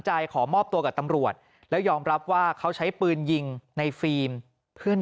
ขอมอบตัวกับตำรวจแล้วยอมรับว่าเขาใช้ปืนยิงในฟิล์มเพื่อน